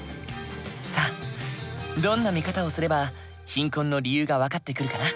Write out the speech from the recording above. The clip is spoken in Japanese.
さあどんな見方をすれば貧困の理由が分かってくるかな？